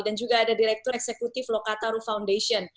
dan juga ada direktur eksekutif lokataru foundation